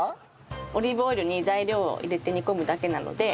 オリーブオイルに材料を入れて煮込むだけなので簡単ですね。